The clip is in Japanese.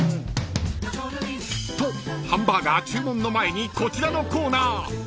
［とハンバーガー注文の前にこちらのコーナー］